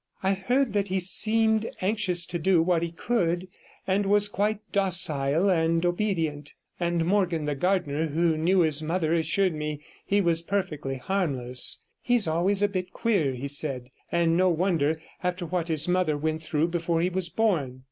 I heard that he seemed anxious to do what he could, and was quite docile and obedient, and Morgan the gardener, who knew his mother, assured me he was perfectly harmless. 'He's always been a bit queer,' he said, 'and no wonder, after what his mother went through before he was born.